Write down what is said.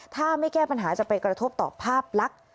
ถ้าไม่แก้ปัญหาจะไปกระทบต่อภาพลักษณ์